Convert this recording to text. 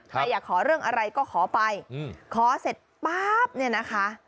อยากขอเรื่องอะไรก็ขอไปขอเสร็จป๊าบเนี่ยนะคะ